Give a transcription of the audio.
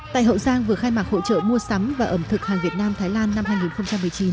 tại hậu giang vừa khai mạc hội trợ mua sắm và ẩm thực hàng việt nam thái lan năm hai nghìn một mươi chín